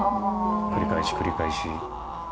繰り返し繰り返し。